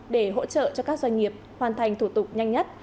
để hỗ trợ cho các doanh nghiệp hoàn thành thủ tục nhanh nhất